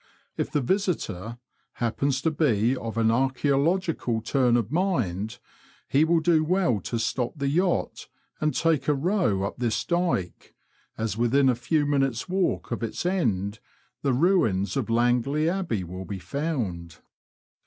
If the visitor happens to be of an archselogical turn of mind, he will do well to stop the yacht and take a row up this dyke, as within a few minutes' walk of its end the ruins of Langley Abl»ey will be found.